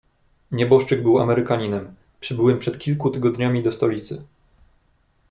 "Nieboszczyk był Amerykaninem, przybyłym przed kilku tygodniami do stolicy."